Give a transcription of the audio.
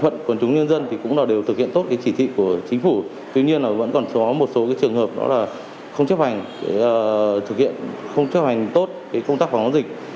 trường hợp đó là không chấp hành thực hiện không chấp hành tốt công tác phòng chống dịch